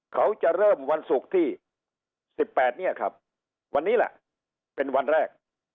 เขาจะเริ่มวันศุกร์ที่๑๘เนี่ยครับวันนี้แหละเป็นวันแรก